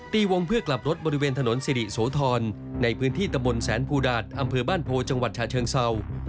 ตีวงเพื่อกลับรถบริเวณถนนสิริโสธรในพื้นที่ตะบนแสนภูดาตอำเภอบ้านโพจังหวัดฉาเชิงเศร้า